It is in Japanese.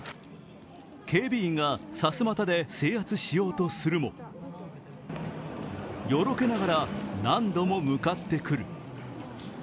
警備員がさすまたで制圧しようとするも、よろけながら何度も向かってくる。